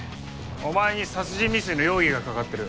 お前に殺人未遂の容疑がかかってる。